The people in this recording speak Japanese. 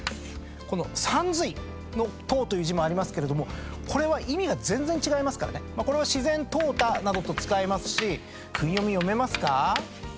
さんずいの「淘」という字もありますけれどもこれは意味が全然違いますからこれは「淘汰」などと使いますし訓読み読めますか？